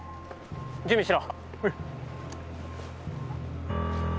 準備しろ。